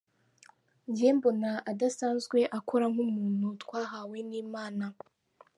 Jye mbona adasanzwe akora nk’umuntu twahawe n’Imana.